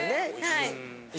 はい。